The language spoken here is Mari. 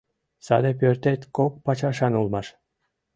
Саде пӧртет кок пачашан улмаш.